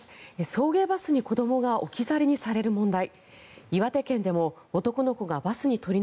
送迎バスに子どもが置き去りにされる問題。